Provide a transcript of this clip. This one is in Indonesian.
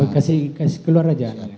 kasih keluar aja